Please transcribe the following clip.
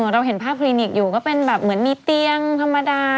เราเห็นภาพคลินิกอยู่ก็เป็นแบบเหมือนมีเตียงธรรมดา